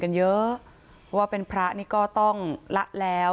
ฝ่ายกรเหตุ๗๖ฝ่ายมรณภาพกันแล้ว